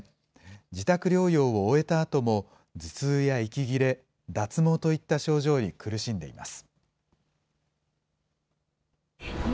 自宅療養を終えたあとも頭痛や息切れ、脱毛といった症状に苦しんでいます。